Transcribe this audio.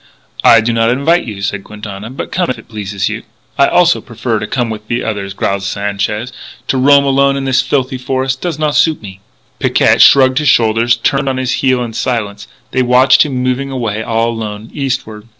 "I do not invite you," said Quintana. "But come if it pleases you." "I also prefer to come with you others," growled Sanchez. "To roam alone in this filthy forest does not suit me." Picquet shrugged his shoulders, turned on his heel in silence. They watched him moving away all alone, eastward.